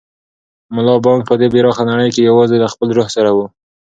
ملا بانګ په دې پراخه نړۍ کې یوازې له خپل روح سره و.